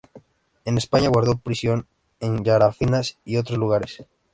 En España guardó prisión en Chafarinas y otros lugares.